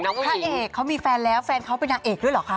พระเอกเขามีแฟนแล้วแฟนเขาเป็นนางเอกด้วยเหรอคะ